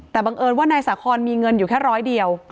แต่บังเอิญว่านายสาคอนมีเงินอยู่แค่ร้อยเดียว